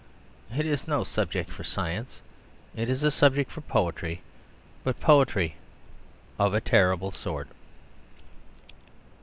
It is no subject for science. It is a subject for poetry. But for poetry of a terrible sort.